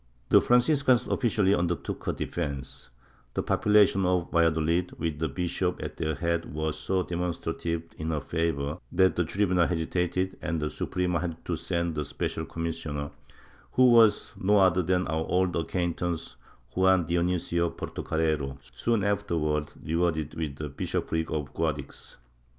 The Franciscans officially undertook her defence; the population of Valladolid, with the bishop at their head, were so demonstrative in her favor that the tribunal hesitated, and the Suprema had to send a special commissioner, who was no other than our old ac quaintance Juan Dionisio Portocarrero, soon afterwards rewarded with the bishopric of Guadix.